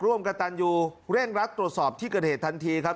ร่วมกับตันยูเร่งรัดตรวจสอบที่เกิดเหตุทันทีครับ